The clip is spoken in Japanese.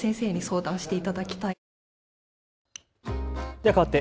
ではかわって＃